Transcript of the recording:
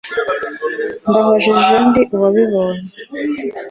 mbahojeje ndi uwabibonye,